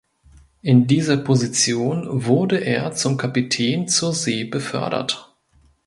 In dieser Position wurde er zum Kapitän zur See befördert.